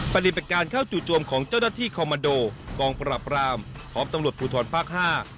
ปฏิบัติการเข้าจู่จวมของเจ้าหน้าที่คอมมันโดกองปราบรามพร้อมตำรวจภูทรภาคห้า